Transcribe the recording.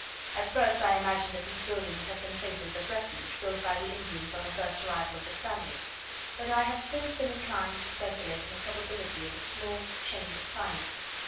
At first I imagined that these buildings had been places of refuge, built by the Indians on the first arrival of the Spaniards; but I have since been inclined to speculate on the probability of a small change of climate.